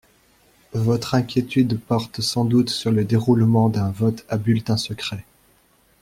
Votre inquiétude porte sans doute sur le déroulement d’un vote à bulletin secret.